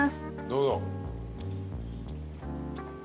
どうぞ。